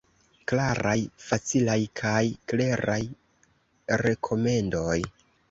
Klaraj, facilaj kaj kleraj rekomendoj.